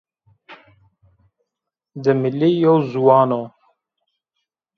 Dimilî yew ziwan o